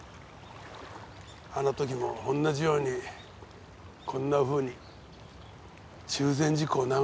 あの時も同じようにこんなふうに中禅寺湖を眺めていたよ。